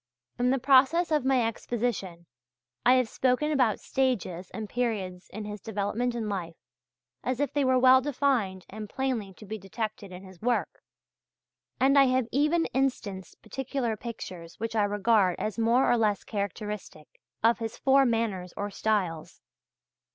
In the process of my exposition I have spoken about stages and periods in his development and life, as if they were well defined and plainly to be detected in his work, and I have even instanced particular pictures which I regard as more or less characteristic of his four manners or styles.